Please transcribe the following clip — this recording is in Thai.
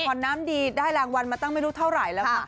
น้ำดีได้รางวัลมาตั้งไม่รู้เท่าไหร่แล้วค่ะ